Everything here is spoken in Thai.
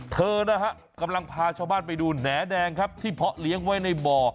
เธอนะฮะกำลังพาชาวบ้านไปดูแหน่แดงครับที่เพาะเลี้ยงไว้ในบ่อ